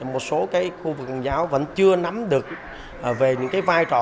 một số khu vực hồi giáo vẫn chưa nắm được về những cái vai trò